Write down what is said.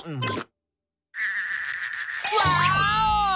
ワーオ！